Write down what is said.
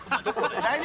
大丈夫？